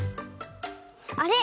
あれ？